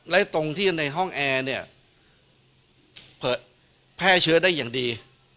และตรงที่ในห้องแอร์เนี่ยเผยแพร่เชื้อได้อย่างดี